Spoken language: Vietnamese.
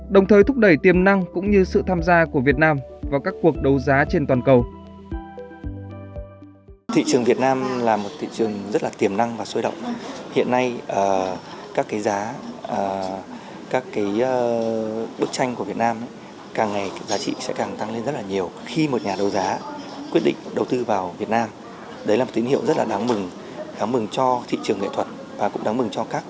đồng thời thúc đẩy tiềm năng cũng như sự tham gia của việt nam vào các cuộc đấu giá trên toàn cầu